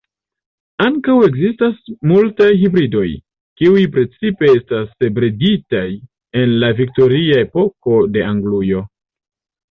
Ankaŭ ekzistas multaj hibridoj, kiuj precipe estas breditaj en la viktoria epoko de Anglujo.